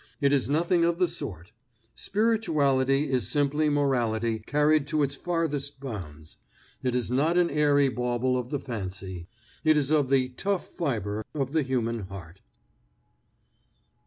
It is nothing of the sort. Spirituality is simply morality carried to its farthest bounds; it is not an airy bauble of the fancy, it is of "the tough fibre of the human heart."